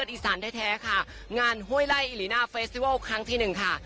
อีสานแท้ค่ะงานห้วยไล่อิลิน่าเฟสติวัลครั้งที่หนึ่งค่ะ